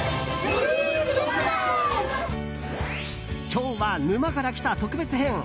今日は「沼から来た。」特別編！